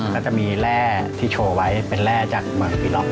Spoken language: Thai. ก็จะมีแร่ที่โชว์ไว้เป็นแร่จากเมืองปีล็อก